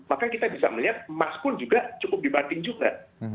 maka kita bisa melihat emas pun juga cukup dibatin juga